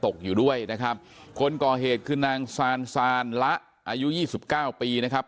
อยู่ด้วยนะครับคนก่อเหตุคือนางซานซานละอายุยี่สิบเก้าปีนะครับ